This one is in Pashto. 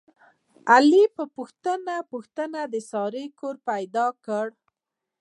علي په پوښته پوښتنه د سارې کور پیدا کړ.